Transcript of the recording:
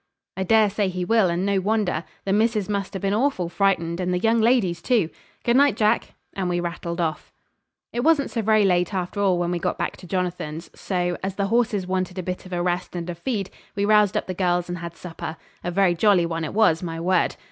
'I daresay he will, and no wonder. The missus must ha' been awful frightened, and the young ladies too. Good night, Jack;' and we rattled off. It wasn't so very late after all when we got back to Jonathan's; so, as the horses wanted a bit of a rest and a feed, we roused up the girls and had supper. A very jolly one it was, my word.